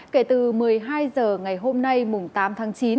kể từ một mươi hai h ngày hôm nay mùng tám tháng chín